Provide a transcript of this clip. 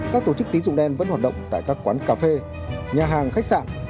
các tổ chức tín dụng đen vẫn hoạt động tại các quán cà phê nhà hàng khách sạn